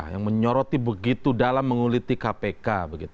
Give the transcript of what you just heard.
yang menyoroti begitu dalam menguliti kpk